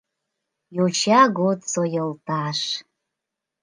Йоча годсо йолташ!